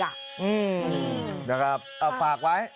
โอเคครับฝากไว้